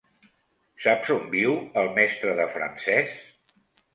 Saps on viu el mestre de francès?